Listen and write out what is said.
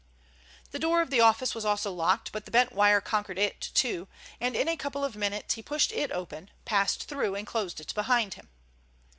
The door of the office was also locked, but the bent wire conquered it too, and in a couple of minutes he pushed it open, passed through, and closed it behind him.